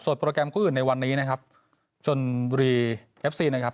โปรแกรมคู่อื่นในวันนี้นะครับชนบุรีเอฟซีนะครับ